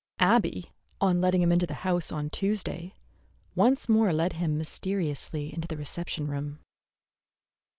Abby, on letting him into the house on Tuesday, once more led him mysteriously into the reception room.